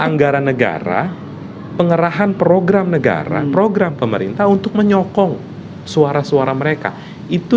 anggaran negara pengerahan program negara program pemerintah untuk menyokong suara suara mereka itu